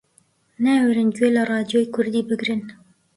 ناوێرن گوێ لە ڕادیۆی کوردی بگرن